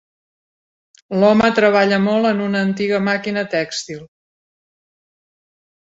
L'home treballa molt en una antiga màquina tèxtil